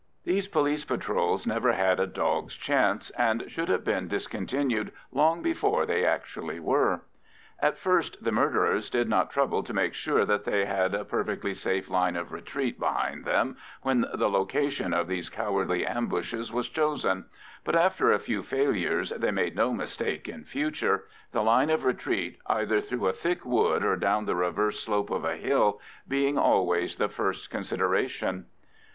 These police patrols never had a dog's chance, and should have been discontinued long before they actually were. At first the murderers did not trouble to make sure that they had a perfectly safe line of retreat behind them when the location of these cowardly ambushes was chosen, but after a few failures they made no mistake in future, the line of retreat, either through a thick wood or down the reverse slope of a hill, being always the first consideration.